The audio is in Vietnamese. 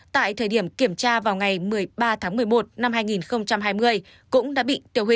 tại thời điểm kiểm tra vào ngày một mươi ba tháng một mươi một năm hai nghìn hai mươi